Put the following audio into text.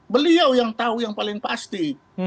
beliau yang tahu yang paling pasti